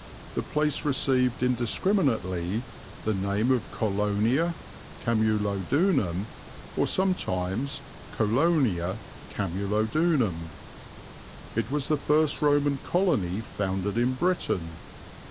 The place received indiscriminately the name of Colonia, Camulodunum, or sometimes Colonia Camulodunum. It was the first Roman Colony founded in Britain.